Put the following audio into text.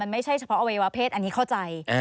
ไม่ใช่เฉพาะอวัยวะเพศอันนี้เข้าใจ